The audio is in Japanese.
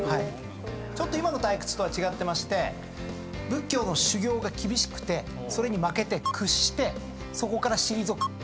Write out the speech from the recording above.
今の「退屈」とは違ってまして仏教の修行が厳しくてそれに負けて屈してそこから退く。